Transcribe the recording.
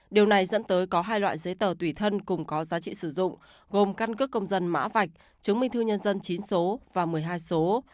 điều này dẫn tới có hai loại giấy tờ tùy thân cùng có giá trị sử dụng gồm căn cước công dân mã vạch chứng minh thư nhân dân chín số và một mươi hai số